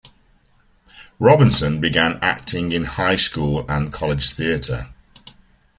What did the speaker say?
Robinson began acting in high school and college theatre.